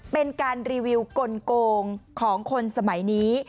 เป็นการรีวิวกลงของคนสมัยนี้